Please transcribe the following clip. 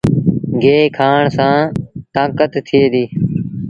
گيه کآڻ سآݩ تآݩڪت ٿئي ديٚ۔